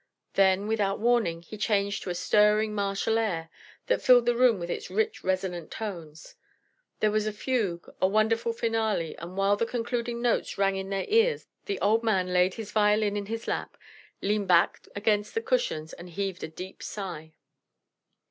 Then without warning he changed to a stirring, martial air that filled the room with its rich, resonant tones. There was a fugue, a wonderful finale, and while the concluding notes rang in their ears the old man laid his violin in his lap, leaned back against his cushions and heaved a deep sigh.